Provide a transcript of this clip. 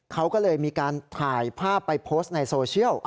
เขาก็เลยมีการถ่ายภาพไปโพสต์ในโซเชียล